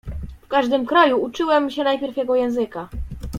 "W każdym kraju uczyłem się najpierw jego języka."